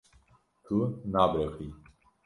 Tu nebiriqî.